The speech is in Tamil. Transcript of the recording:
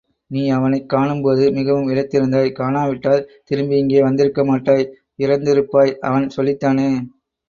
நீ அவனைக் காணும்போது மிகவும் இளைத்திருந்தாய்— காணாவிட்டால் திரும்பி இங்கே வந்திருக்கமாட்டாய் இறந்திருப்பாய் அவன் சொல்லித்தானே.